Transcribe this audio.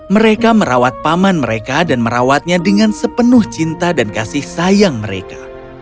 mereka merawat paman mereka dan merawatnya dengan sepenuh cinta dan kasih sayang mereka